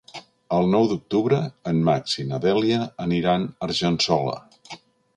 El nou d'octubre en Max i na Dèlia aniran a Argençola.